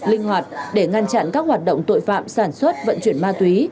linh hoạt để ngăn chặn các hoạt động tội phạm sản xuất vận chuyển ma túy